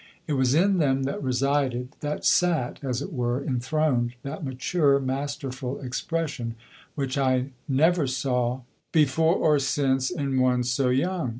It was in them that resided, that sat, as it were, enthroned, that mature, masterful expression which I never saw before or since in one so young.